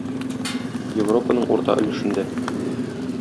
Европаның урта өлешендә.